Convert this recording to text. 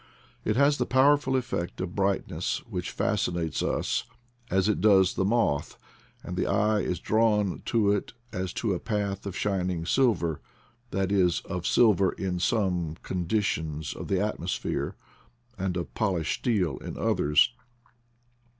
It has the powerful effect of brightness, which fascinates us, as it does the moth, and the eye is drawn to it as to a path of shining silver — that is, of silver in some condi tions of the atmosphere, and of polished steel in others.